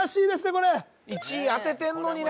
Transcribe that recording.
これ１位当ててんのにな